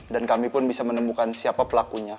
dan kami pun bisa menemukan siapa pelakunya